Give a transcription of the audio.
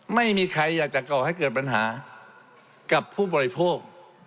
ไม่มีใครอยากจะก่อให้เกิดปัญหากับผู้บริโภค